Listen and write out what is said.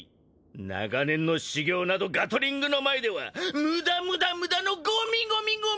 長年の修行などガトリングの前では無駄無駄無駄のごみごみごみ！